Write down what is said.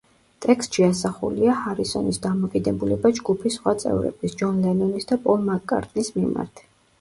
ტექსტში ასახულია ჰარისონის დამოკიდებულება ჯგუფის სხვა წევრების, ჯონ ლენონის და პოლ მაკ-კარტნის მიმართ.